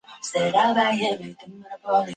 我们展现互助